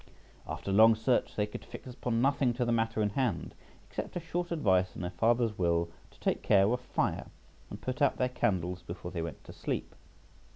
After long search they could fix upon nothing to the matter in hand, except a short advice in their father's will to take care of fire and put out their candles before they went to sleep {78a}.